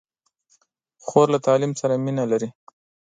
خور له تعلیم سره مینه لري.